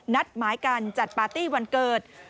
นัดหมายกันจัดปาร์ตี้วันเกิด